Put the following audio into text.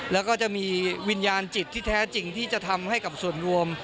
แล้วก็จะมีวิญญาณจิตที่แท้จริงที่จะทำให้กับส่วนรวม